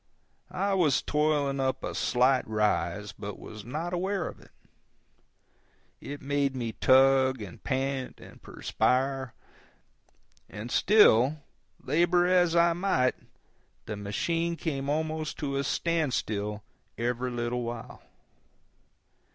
I was toiling up a slight rise, but was not aware of it. It made me tug and pant and perspire; and still, labor as I might, the machine came almost to a standstill every little while.